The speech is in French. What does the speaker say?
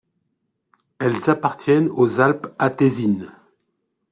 Elles appartiennent aux Alpes atésines.